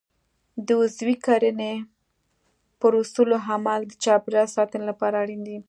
د عضوي کرنې پر اصولو عمل د چاپیریال ساتنې لپاره اړین دی.